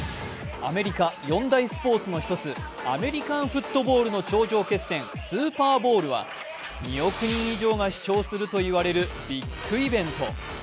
アメリカ４大スポーツの一つアメリカンフットボールの頂上決戦、スーパーボウルは２億人以上が視聴すると言われるビッグイベント。